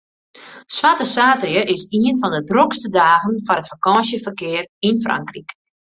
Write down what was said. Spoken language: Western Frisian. Swarte saterdei is ien fan de drokste dagen foar it fakânsjeferkear yn Frankryk.